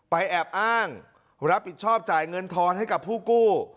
แอบอ้างรับผิดชอบจ่ายเงินทอนให้กับผู้กู้